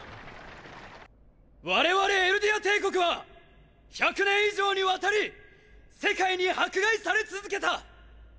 我々エルディア帝国は１００年以上にわたり世界に迫害され続けた！！